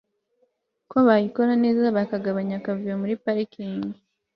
ko bayikora neza bikagabanya akavuyo muri parikingi